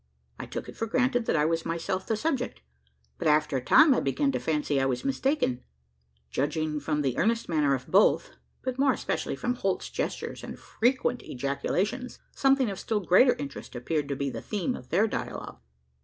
I took it for granted that I was myself the subject; but, after a time, I began to fancy I was mistaken. Judging from the earnest manner of both but more especially from Holt's gestures and frequent ejaculations something of still greater interest appeared to be the theme of their dialogue.